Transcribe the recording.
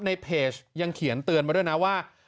ในเพจยังเขียนเตือนมาด้วยนะว่า